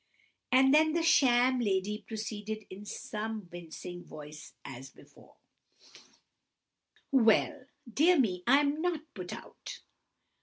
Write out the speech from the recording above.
And then the sham lady proceeded in the same mincing voice as before:— "Well!—dear me, I'm quite put out.